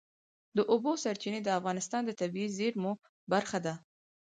د اوبو سرچینې د افغانستان د طبیعي زیرمو برخه ده.